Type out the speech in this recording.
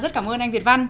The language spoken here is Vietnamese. rất cảm ơn anh việt văn